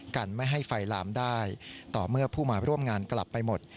กันไม่ให้ไฟลามได้ต่อเมื่อผู้มาร่วมงานกลับไปหมด